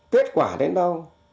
kết quả đến đâu